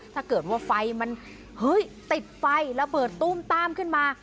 ถ้าเกิดว่าไฟมันเฮ้ยติดไฟระเบิดตู้มต้ามขึ้นมา